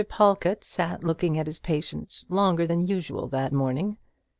Pawlkatt sat looking at his patient longer than usual that morning.